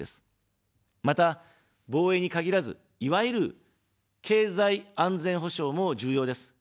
また、防衛に限らず、いわゆる経済安全保障も重要です。